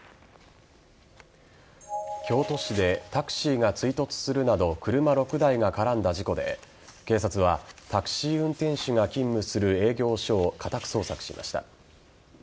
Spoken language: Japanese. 京都市でタクシーが追突するなど車６台が絡んだ事故で警察はタクシー運転手が勤務する営業所を家宅捜索しました。